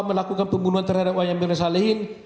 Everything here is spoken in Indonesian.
melakukan pembunuhan terhadap wayan mirna salehin